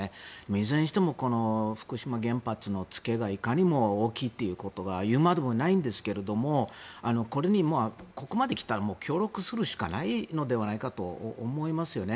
いずれにしてもこの福島原発の付けがいかに大きいかということは言うまでもないんですがここまで来たら協力するしかないのではないかと思いますよね。